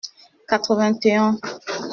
Quatre-vingt-un.